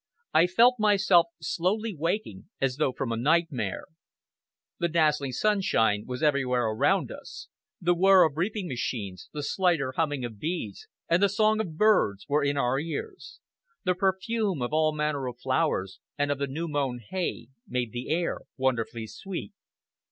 I felt myself slowly waking as though from a nightmare. The dazzling sunshine was everywhere around us; the whir of reaping machines, the slighter humming of bees, and the song of birds, were in our ears; the perfume of all manner of flowers, and of the new mown hay, made the air wonderfully sweet.